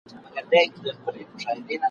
د مرګ په خوب به چېرته ویده یم !.